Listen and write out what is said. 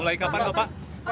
mulai kapan pak